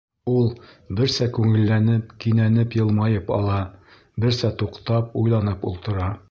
Ул, берсә күңелләнеп, кинәнеп йылмайып ала, берсә туҡтап, уйланып ултыра.